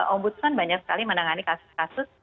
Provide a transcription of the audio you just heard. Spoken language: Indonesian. ombudsman banyak sekali menangani kasus kasus